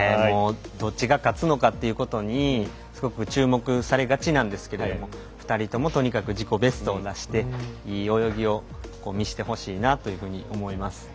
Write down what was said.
どっちが勝つのかということにすごく注目されがちなんですけども２人ともとにかく自己ベストを出していい泳ぎを見せてほしいなというふうに思います。